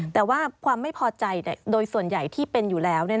แต่ว่าความไม่พอใจโดยส่วนใหญ่ที่เป็นอยู่แล้ว